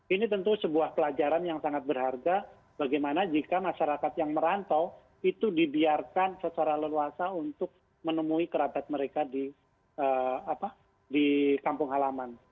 ini tentu sebuah pelajaran yang sangat berharga bagaimana jika masyarakat yang merantau itu dibiarkan secara leluasa untuk menemui kerabat mereka di kampung halaman